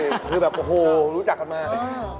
คือแบบโอ้โหรู้จักกันมา